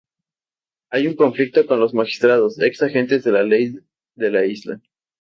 Hay un conflicto con los magistrados, ex agentes de la ley de la isla.